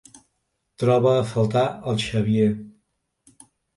Troba a faltar el Xavier.